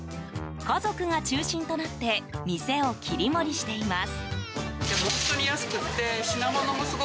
家族が中心となって店を切り盛りしています。